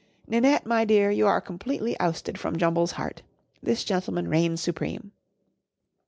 Ninette, my dear, you are completely ousted from Jumble's heart. This gentleman reigns supreme."